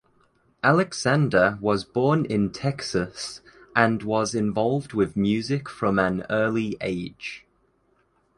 Alexander was born in Texas and was involved with music from an early age.